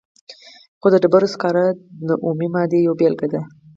خو د ډبرو سکاره د اومې مادې یوه بیلګه ده.